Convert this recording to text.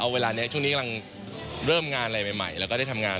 ยังก็ยังเรื่อยทำงาน